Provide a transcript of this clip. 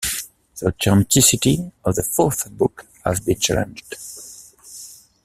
The authenticity of the fourth book has been challenged.